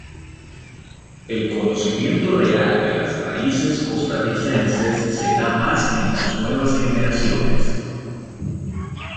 El conocimiento real de las raíces costarricenses se da más en las nuevas generaciones.